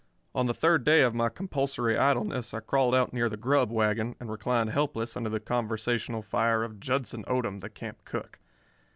On the third day of my compulsory idleness I crawled out near the grub wagon, and reclined helpless under the conversational fire of Judson Odom, the camp cook.